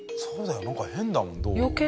そうだよなんか変だもん道路。